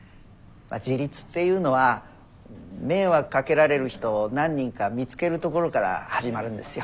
まあ自立っていうのは迷惑かけられる人を何人か見つけるところから始まるんですよ。